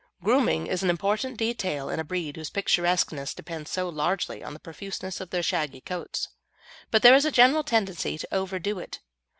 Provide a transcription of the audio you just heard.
Grooming is an important detail in a breed whose picturesqueness depends so largely on the profuseness of their shaggy coats, but there is a general tendency to overdo it.